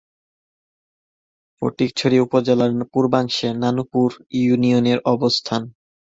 ফটিকছড়ি উপজেলার পূর্বাংশে নানুপুর ইউনিয়নের অবস্থান।